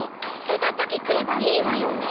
その時来ればいいわよね。